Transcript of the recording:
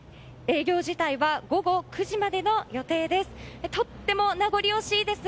営業自体は午後９時までの予定です。